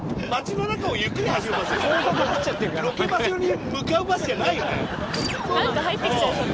ロケ場所に向かうバスじゃないよね。